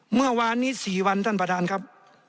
เมื่อวานนี้๔วันท่านประธานครับ